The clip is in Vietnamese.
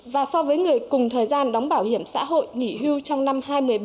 và so với người cùng thời gian đóng bảo hiểm xã hội nghỉ hưu trong năm hai nghìn một mươi bảy